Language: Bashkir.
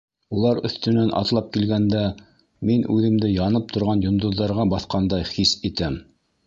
Улар өҫтөнән атлап килгәндә, мин үҙемде янып торған йондоҙҙарға баҫҡандай хис итәм.